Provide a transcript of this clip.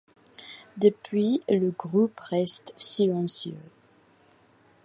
Depuis, le groupe reste silencieux.